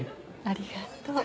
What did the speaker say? ありがとう。